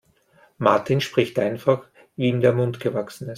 Martin spricht einfach, wie ihm der Mund gewachsen ist.